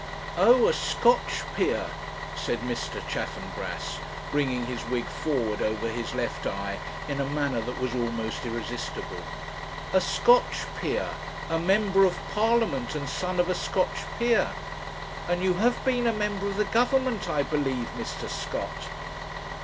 'Oh, a Scotch peer,' said Mr. Chaffanbrass, bringing his wig forward over his left eye in a manner that was almost irresistible 'a Scotch peer a member of Parliament, and son of a Scotch peer; and you have been a member of the Government, I believe, Mr. Scott?'